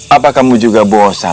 apa kamu juga bosan